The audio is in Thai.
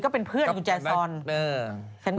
ก็เป็นเพื่อนกุญแจซอน